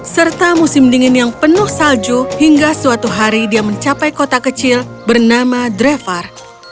serta musim dingin yang penuh salju hingga suatu hari dia mencapai kota kecil bernama drevar